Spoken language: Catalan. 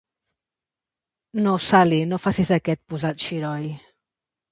No, Sally, no facis aquest posat xiroi.